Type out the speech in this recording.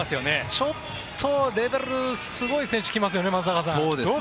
ちょっとすごい選手が来ますよね。